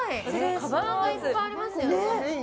かばんがいっぱいありますよ。